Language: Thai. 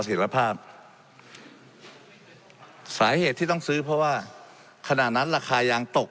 เสร็จภาพสาเหตุที่ต้องซื้อเพราะว่าขณะนั้นราคายางตก